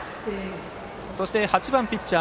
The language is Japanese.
そして８番ピッチャー